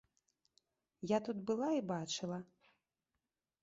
Я тут была і бачыла!